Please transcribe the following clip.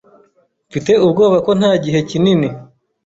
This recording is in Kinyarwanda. Mfite ubwoba ko nta gihe kinini.